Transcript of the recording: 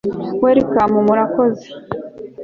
malcolm murakoze